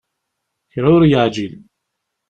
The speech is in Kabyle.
Kra ur yeεǧil.